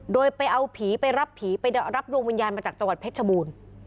โดยไปเอาผีไปรับผีไปรับดวงวิญญาณมาจากจังหวัดเพชรชบูรณ์